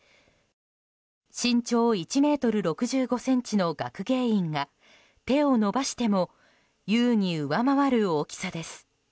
身長１ｍ６５ｃｍの学芸員が手を伸ばしても優に上回る大きさです。